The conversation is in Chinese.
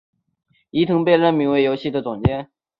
伊藤被任命为游戏的总监。